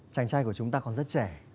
chàng trai của chúng ta còn rất trẻ